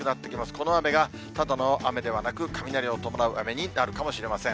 この雨が、ただの雨ではなく、雷を伴う雨になるかもしれません。